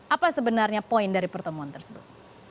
apa sebenarnya poin dari pertemuan tersebut